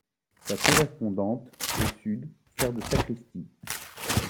Sa correspondante, au sud, sert de sacristie.